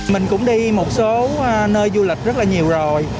mình cũng đi một số nơi du lịch rất là nhiều rồi